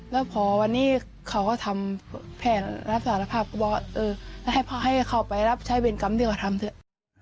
แล้วพอวันนี้เขาก็ทำแผนรับสารภาพก็บอกเออให้เขาไปรับใช้เวรกรรมดีกว่าทำเถอะ